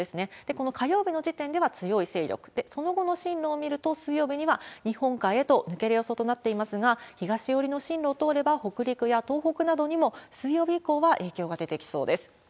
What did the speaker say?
この火曜日の時点では強い勢力、その後の進路を見ると、水曜日には日本海へと抜ける予想となっていますが、東寄りの進路を通れば、北陸や東北などにも、水曜日以降は影響が出てきそうです。